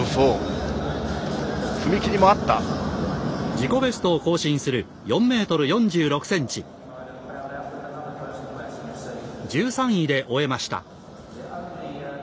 自己ベストを更新する４ｍ４６ｃｍ１３位で終えました。